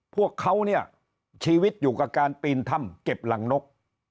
พวกเขาเนี่ยชีวิตอยู่กับการปีนถ้ำเก็บรังนก